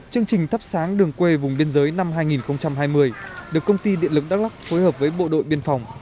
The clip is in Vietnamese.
chương trình thắp sáng đường quê vùng biên giới năm hai nghìn hai mươi được công ty điện lực đắk lắc phối hợp với bộ đội biên phòng